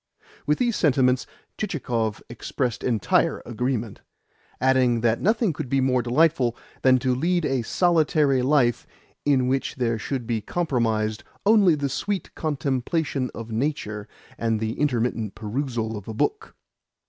With these sentiments Chichikov expressed entire agreement: adding that nothing could be more delightful than to lead a solitary life in which there should be comprised only the sweet contemplation of nature and the intermittent perusal of a book.